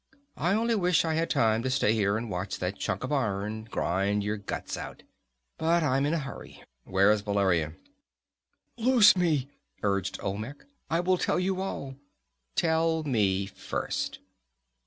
I only wish I had time to stay here and watch that chunk of iron grind your guts out. But I'm in a hurry. Where's Valeria?" "Loose me!" urged Olmec, "I will tell you all!" "Tell me first."